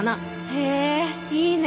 へえいいね。